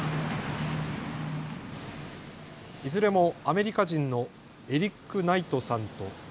いずれもアメリカ人のエリック・ナイトさんと。